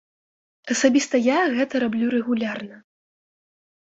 Асабіста я гэта раблю рэгулярна.